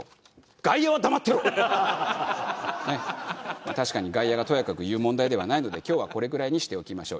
まあ確かに外野がとやかく言う問題ではないので今日はこれぐらいにしておきましょう。